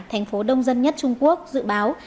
thành phố đông dân nhất trung quốc dự báo